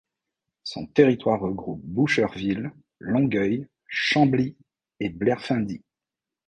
Son territoire regroupe Boucherville, Longueuil, Chambly et Blairfindie.